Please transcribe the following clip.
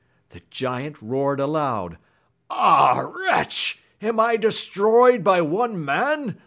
The giant roarerl aloml, Ah wretch ! am I deatfoyed hy f/ne man?